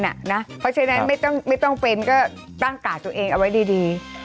เพราะฉะนั้นไม่ต้องเป็นก็ตั้งกาดตัวเองเอาไว้ดี